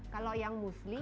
kalau yang musli ini